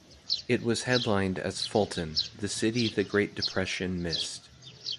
It was headlined as, Fulton, the City the Great Depression Missed.